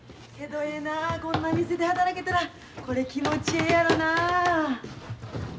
こんな店で働けたらこれ気持ちええやろなあ。